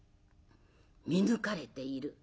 見抜かれている。